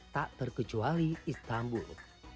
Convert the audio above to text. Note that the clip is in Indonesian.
tak terkecuali istanbul